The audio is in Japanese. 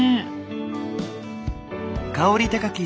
香り高き